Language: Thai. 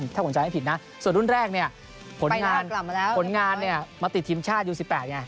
ถ้าผมจำให้ผิดนะส่วนรุ่นแรกเนี่ยผลงานเนี่ยมาติดทีมชาติรุ่น๑๘เนี่ย